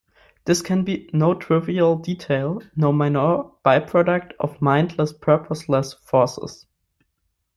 This can be no trivial detail, no minor byproduct of mindless, purposeless forces.